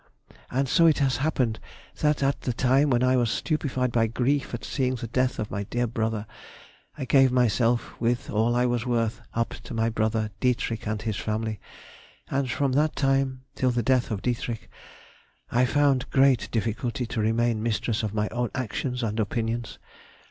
And so it has happened that at the time when I was stupefied by grief at seeing the death of my dear brother, I gave myself, with all I was worth, up to my brother Dietrich and his family, and from that time till the death of D. I found great difficulty to remain mistress of my own actions and opinions.